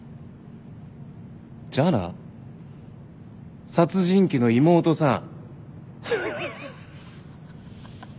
じゃあな殺人鬼の妹さん。